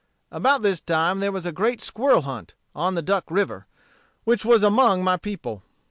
"About this time there was a great squirrel hunt, on Duck River, which was among my people.